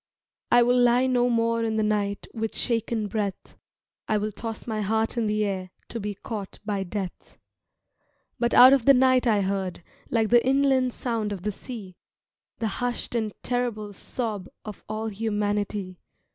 "I will lie no more in the night With shaken breath, I will toss my heart in the air To be caught by Death." But out of the night I heard, Like the inland sound of the sea, The hushed and terrible sob Of all humanity.